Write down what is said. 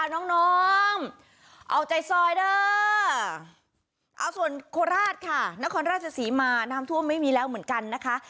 น้องเอาใจซอยเด้อเอาส่วนโคราชค่ะนครราชศรีมาน้ำท่วมไม่มีแล้วเหมือนกันนะคะ